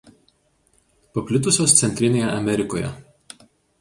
Paplitusios Centrinėje Amerikoje.